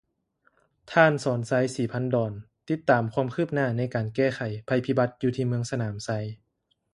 ທ່ານ ສອນໄຊ ສີພັນດອນ ຕິດຕາມຄວາມຄືບໜ້າໃນການແກ້ໄຂໄພພິບັດ ຢູ່ທີ່ເມືອງສະໜາມໄຊ